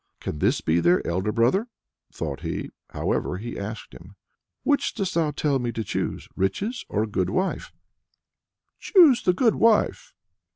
"Can this be their elder brother?" thought he however he asked him: "Which dost thou tell me to choose riches, or a good wife?" "Choose the good wife."